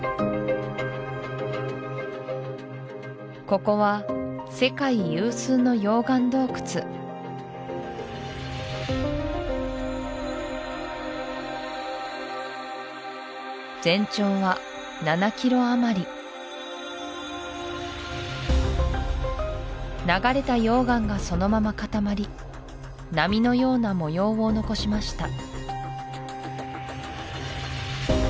ここは世界有数の溶岩洞窟全長は７ｋｍあまり流れた溶岩がそのまま固まり波のような模様を残しました